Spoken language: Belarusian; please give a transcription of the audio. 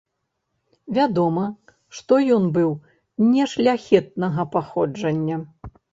Вядома, што ён быў нешляхетнага паходжання.